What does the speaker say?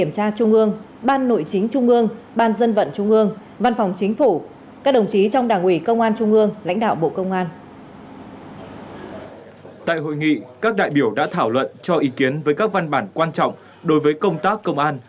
tại hội nghị các đại biểu đã thảo luận cho ý kiến với các văn bản quan trọng đối với công tác công an